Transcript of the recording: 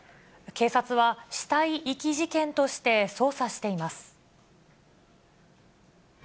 警察は、死体遺棄事件として捜査しています。